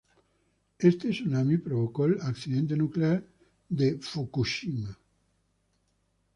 Éste tsunami provocó el accidente nuclear de Fukushima.